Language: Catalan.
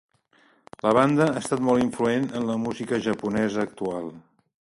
La banda ha estat molt influent en la música japonesa actual.